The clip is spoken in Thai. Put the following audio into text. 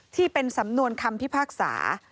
ที่เป็นสำนวนคำพิพากษา